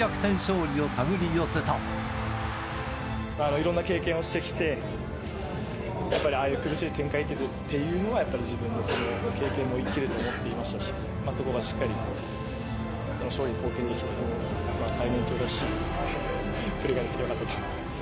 いろんな経験をしてきて、やっぱりああいう苦しい展開っていうのは、自分の経験も生きると思っていましたし、そこがしっかり勝利に貢献できて、まあ、最年長らしいプレーができて、よかったです。